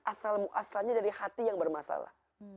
asal muasalnya dari hati yang bermasalah